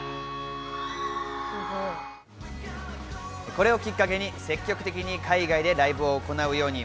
これをきっかけに積極的に海外でライブを行うように。